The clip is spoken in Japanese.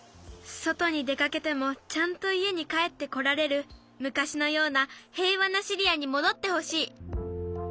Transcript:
そとにでかけてもちゃんといえにかえってこられるむかしのようなへいわなシリアにもどってほしい。